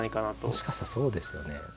もしかしたらそうですよね。